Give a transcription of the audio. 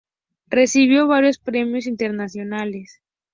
Recibió varios premios internacionales.